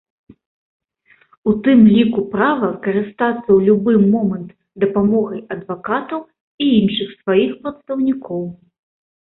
У тым ліку права карыстацца ў любы момант дапамогай адвакатаў і іншых сваіх прадстаўнікоў.